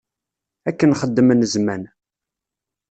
Akken xeddmen zzman.